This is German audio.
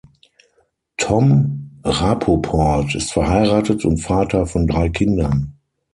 Tom Rapoport ist verheiratet und Vater von drei Kindern.